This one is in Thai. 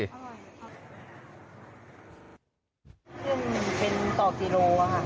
ซึ่งเป็นต่อกิโลกรัมละครับ